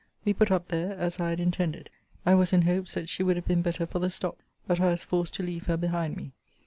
We put up there as I had intended. I was in hopes that she would have been better for the stop: but I was forced to leave her behind me.